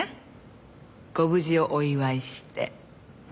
ご無事をお祝いしてぜひ一献。